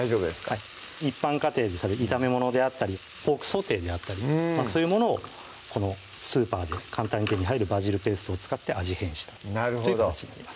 はい一般家庭でされる炒め物であったりポークソテーであったりそういうものをこのスーパーで簡単に手に入るバジルペーストを使って味変したという形になります